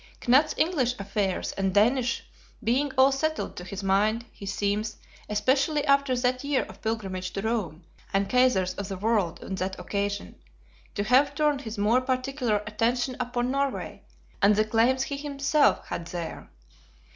Knut's English affairs and Danish being all settled to his mind, he seems, especially after that year of pilgrimage to Rome, and association with the Pontiffs and Kaisers of the world on that occasion, to have turned his more particular attention upon Norway, and the claims he himself had there.